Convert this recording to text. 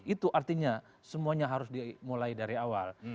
itu artinya semuanya harus dimulai dari awal